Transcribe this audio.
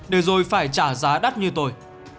để rồi phải trả giá đắt như tôi